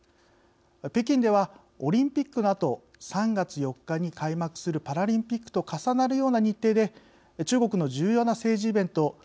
北京では、オリンピックのあと３月４日に開幕するパラリンピックと重なるような日程で中国の重要な政治イベント